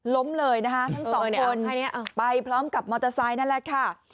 ล้มเลยนะคะทั้งสองคนไปพร้อมกับมอเตอร์ไซค์นั่นแหละค่ะ